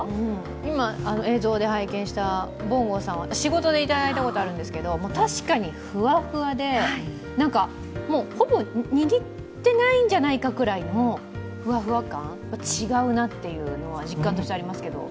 今、映像で拝見したぼんごさんは仕事でいただいたことがあるんですけど確かに、ふわふわで、ほぼ握ってないんじゃないかくらいのふわふわ感、違うなっていうのは実感としてありますけど。